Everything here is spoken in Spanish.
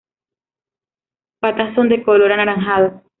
Patas son de color anaranjado.